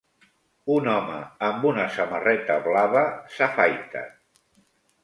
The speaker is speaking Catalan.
Un home amb una samarreta blava s'afaita.